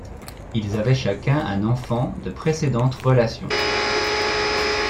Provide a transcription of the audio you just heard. Ils avaient chacun un enfant de précédentes relations.